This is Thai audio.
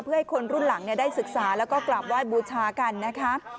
เพื่อให้คนรุ่นหลังได้ศึกษาแล้วก็กลับไหว้บูชากันนะคะ